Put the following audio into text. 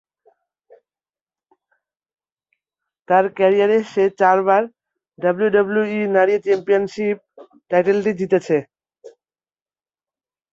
তার ক্যারিয়ারে সে চারবার ডাব্লিউডাব্লিউই নারী চ্যাম্পিয়নশীপ টাইটেলটি জিতেছে।